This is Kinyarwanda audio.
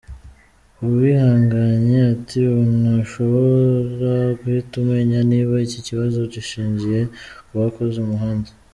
Uwihanganye ati “Ubu ntushobora guhita umenya niba iki kibazo gishingiye ku bakoze umuhanda.